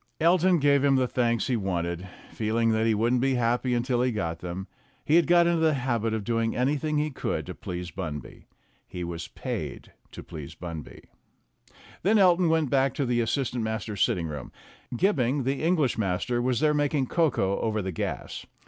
Elton gave him the thanks he wanted, feeling that he wouldn't be happy until he got them. He had got 98 STORIES WITHOUT TEARS into the habit of doing anything he could to please Bunby. He was paid to please Bunby. Then Elton went back to the assistant masters' sit ting room. Gibbing, the English master, was there making cocoa over the gas.